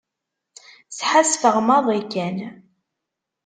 Sḥassfeɣ maḍi kan.